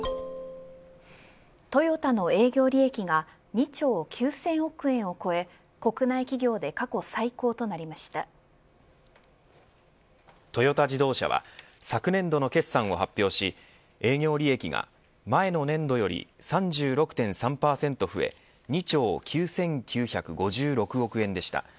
トヨタの営業利益が２兆９０００億円を超え国内企業でトヨタ自動車は昨年度の決算を発表し営業利益が前の年度より３６．３％増え２兆９９５６億円でした。